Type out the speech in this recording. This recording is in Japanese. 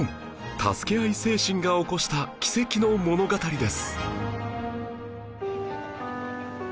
助け合い精神が起こした奇跡の物語です